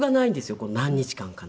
この何日間かの。